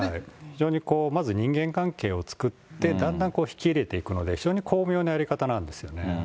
非常に、まず人間関係を作って、だんだん引き入れていくので、非常に巧妙なやり方なんですよね。